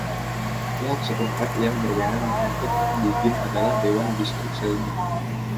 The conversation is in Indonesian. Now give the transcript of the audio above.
Pihak setempat yang berwenang untuk Biggin adalah Dewan Distrik Selby.